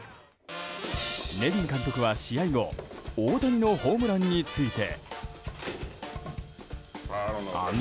ネビン監督は試合後大谷のホームランについて。